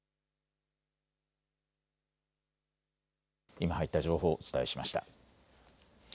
今入った情報をお伝えしました。